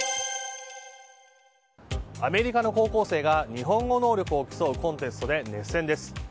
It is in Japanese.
アメリカの高校生が日本語能力を競うコンテストで熱戦です。